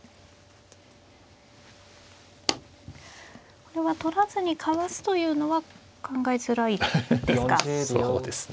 これは取らずにかわすというのは考えづらいですか。